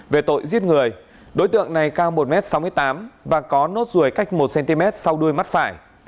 về tội giết người đối tượng này cao một m sáu mươi tám và có nốt ruồi cách một cm sau đuôi mắt phải